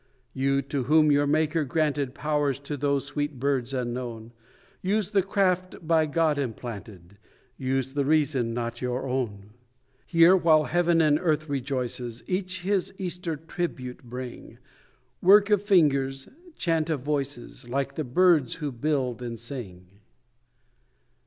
You, to whom your Maker granted Powers to those sweet birds unknown, Use the craft by God implanted; Use the reason not your own. Here, while heaven and earth rejoices, Each his Easter tribute bring Work of fingers, chant of voices, Like the birds who build and sing.